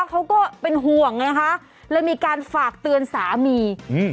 เขาก็เป็นห่วงไงคะเลยมีการฝากเตือนสามีอืม